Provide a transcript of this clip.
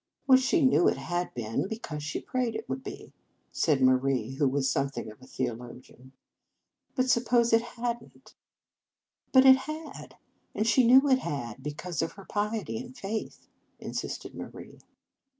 " Oh, she knew it had been, because she prayed it would be," said Marie, who was something of a theologian. " But suppose it had n t." " But it had) and she knew it had, because of her piety and faith," insisted Marie.